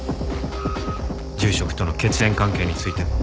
住職との血縁関係についても。